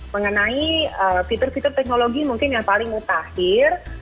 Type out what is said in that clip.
mengenai fitur fitur teknologi mungkin yang paling mutakhir